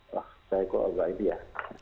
wah saya kok agak ini ya